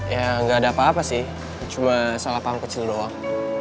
ya nggak ada apa apa sih cuma salah paham kecil doang